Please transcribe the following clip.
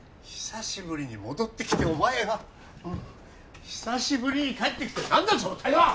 久しぶりに戻ってきてお前は久しぶりに帰ってきて何だその態度は！？